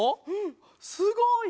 すごい！